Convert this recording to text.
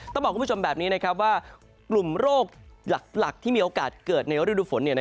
ต้องบอกคุณผู้ชมแบบนี้นะครับว่ากลุ่มโรคหลักที่มีโอกาสเกิดในฤดูฝน